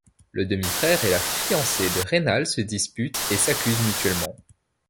Le demi-frère et la fiancée de Raynal se disputent et s'accusent mutuellement.